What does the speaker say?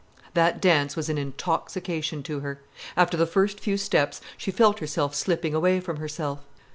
That dance was an intoxication to her. After the first few steps, she felt herself slipping away from herself.